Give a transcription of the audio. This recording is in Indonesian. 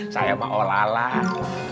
saya mau olah olah